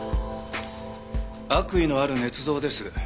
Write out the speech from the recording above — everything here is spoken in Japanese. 悪意のある捏造です。